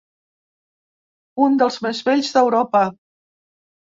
“Un dels més vells d’Europa”